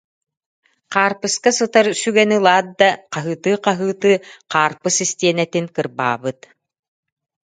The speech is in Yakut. Хаарпыска сытар сүгэни ылаат да, хаһыытыы-хаһыытыы хаарпыс истиэнэтин кырбаабыт